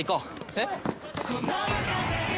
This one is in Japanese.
えっ？